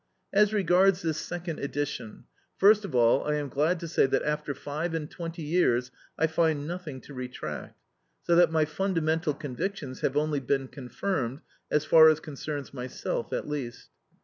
As regards this second edition, first of all I am glad to say that after five and twenty years I find nothing to retract; so that my fundamental convictions have only been confirmed, as far as concerns myself at least.